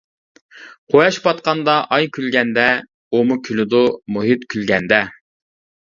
قۇياش پاتقاندا ئاي كۈلگەندە ئۇمۇ كۈلىدۇ مۇھىت كۈلگەندە.